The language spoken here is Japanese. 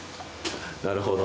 なるほど。